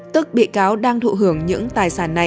tức bị cáo đang thụ hưởng những tài sản này